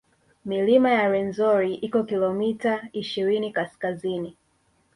Milima ya Rwenzori iko kilomita ishirini kaskazini